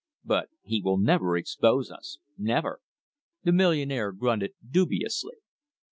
But he will never expose us never!" The millionaire grunted dubiously.